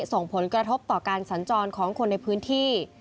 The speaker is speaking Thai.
ส่งผลกระทบต่อการสัญจรของคนในพื้นที่